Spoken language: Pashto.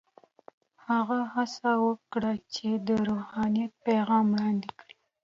هغه هڅه وکړه چې د روحانیت پیغام وړاندې کړي.